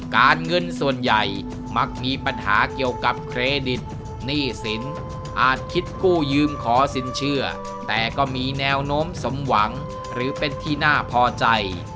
การเงินส่วนใหญ่มักมีปัญหาเกี่ยวกับเครดิตหนี้สินอาจคิดกู้ยืมขอสินเชื่อแต่ก็มีแนวโน้มสมหวังหรือเป็นที่น่าพอใจ